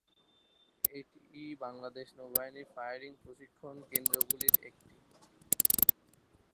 এটি বাংলাদেশ নৌবাহিনীর ফায়ারিং প্রশিক্ষণ কেন্দ্রগুলির একটি।